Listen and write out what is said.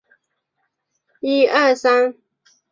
后来由于纳粹政府上台流亡至法国。